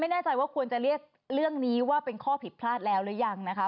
ทีนี้มันกันจะมีควรจะเรียกเรื่องนี้ว่าเป็นข้อผิดพลาดแล้วหรือยังนะครับ